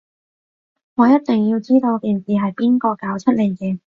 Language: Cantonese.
我一定要知道件事係邊個搞出嚟嘅